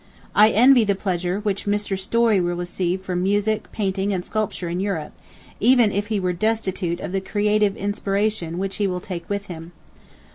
I envy the pleasure which Mr. Story will receive from music, painting, and sculpture in Europe, even if he were destitute of the creative inspiration which he will take with him.